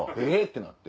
てなって。